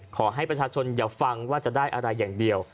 ขอให้ประชาชนอย่าฟังว่าจะได้อะไรอย่างเดียว